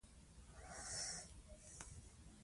ناره یې وسوه.